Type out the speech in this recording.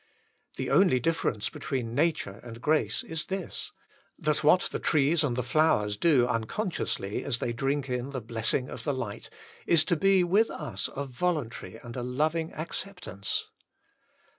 The only difference between nature and grace is this, that what the trees and the flowers do unconsciously, as they drink in the blessing of the light, is to be with us a voluntary and a loving acceptance.